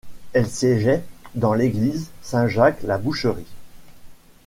Elle siégeait dans l'église Saint-Jacques-la-Boucherie.